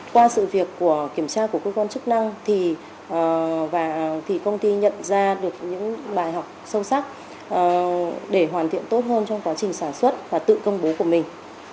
qua sự việc của kiểm tra của cơ quan chức năng thì công ty nhận ra được những bài học sâu sắc để hoàn thiện tốt hơn trong quá trình sản xuất và tự công bố của mình